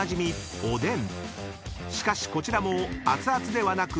［しかしこちらも熱々ではなく］